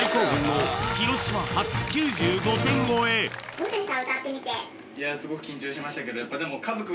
どうでした？